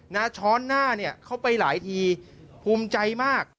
ช้อนหน้าเนี่ยเข้าไปหลายทีภูมิใจมาก